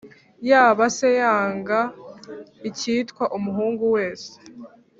Yaba se yanga ikitwa umuhungu wese